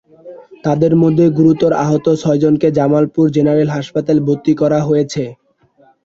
এদের মধ্যে গুরতর আহত ছয়জনকে জামালপুর জেনারেল হাসপাতালে ভর্তি করা হয়েছে।